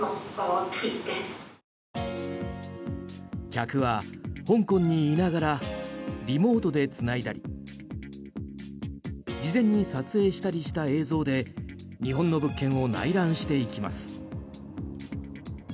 客は香港にいながらリモートでつないだり事前に撮影したりした映像で日本の物件を内覧していきます。